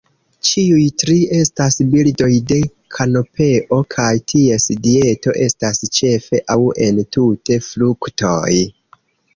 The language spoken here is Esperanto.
Ĉiuj tri estas birdoj de kanopeo, kaj ties dieto estas ĉefe aŭ entute fruktoj.